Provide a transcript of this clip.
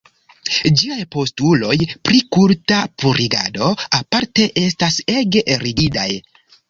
Ĝiaj postuloj pri kulta purigado, aparte, estas ege rigidaj.